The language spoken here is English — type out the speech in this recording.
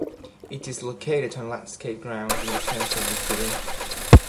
It is located on landscaped grounds in the center of the city.